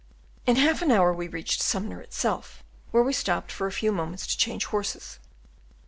In half an hour we reached Sumner itself, where we stopped for a few moments to change horses.